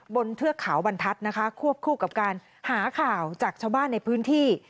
เทือกเขาบรรทัศน์นะคะควบคู่กับการหาข่าวจากชาวบ้านในพื้นที่